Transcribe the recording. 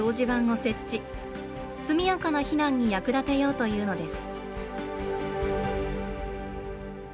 速やかな避難に役立てようというのです。